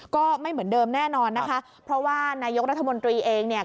ก็ไม่เหมือนเดิมแน่นอนนะคะเพราะว่านายกรัฐมนตรีเองเนี่ย